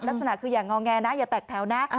ลักษณะคืออย่างงอแงนะอย่าแตกแถวนะ